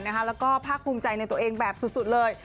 แล้วก็ภาคภูมิใจในตัวเองแบบสุดเลย